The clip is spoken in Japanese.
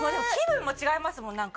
気分も違いますもん。